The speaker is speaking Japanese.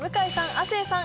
亜生さん